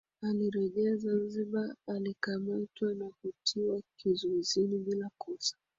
Alirejea Zanzibar alikamatwa na kutiwa kizuizini bila kosa